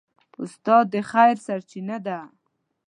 استاد د خیر سرچینه ده.